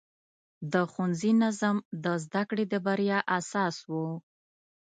د ښوونځي نظم د زده کړې د بریا اساس و.